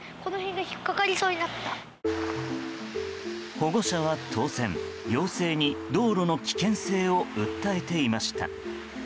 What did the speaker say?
保護者は当然行政に道路の危険性を訴えていました。